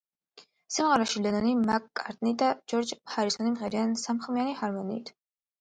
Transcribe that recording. სიმღერაში ლენონი, მაკ-კარტნი და ჯორჯ ჰარისონი მღერიან სამხმიანი ჰარმონიით.